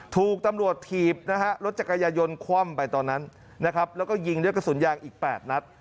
ถูกตำรวจถีบนะฮะรถจักรยายนคว่ำไปตอนนั้นนะครับแล้วก็ยิงด้วยกระสุนยางอีก๘นัด